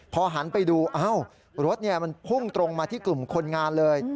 พอหันไปดูอ้าวรถมันพุ่งตรงมาที่กลุ่มคนงานเลย